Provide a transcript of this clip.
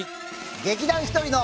劇団ひとりの。